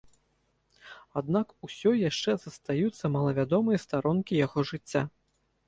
Аднак усё яшчэ застаюцца малавядомыя старонкі яго жыцця.